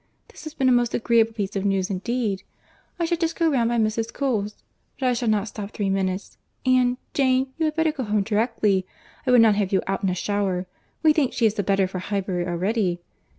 This has been a most agreeable piece of news indeed. I shall just go round by Mrs. Cole's; but I shall not stop three minutes: and, Jane, you had better go home directly—I would not have you out in a shower!—We think she is the better for Highbury already.